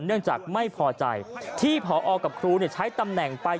เนื่องจากไม่พอใจที่พอกับครูใช้ตำแหน่งไป